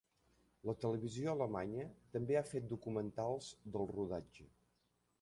La televisió alemanya també ha fet documentals del rodatge.